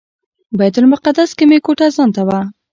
بیت المقدس کې مې کوټه ځانته وه.